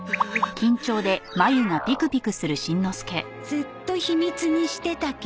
ずっと秘密にしてたけど。